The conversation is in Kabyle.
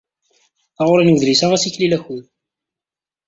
Taɣuri n udlis-a ad tiklil akud.